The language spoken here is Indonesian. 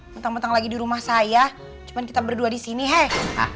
bentang bentang lagi di rumah saya cuma kita berdua di sini hey